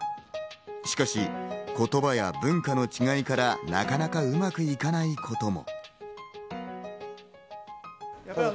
しかし言葉や文化の違いからなかなかうまくいかないことも。